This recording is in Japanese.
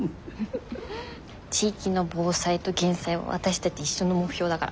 地域の防災と減災は私たち一緒の目標だから。